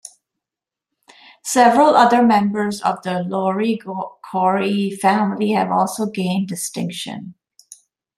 Several other members of the Lowry-Corry family have also gained distinction.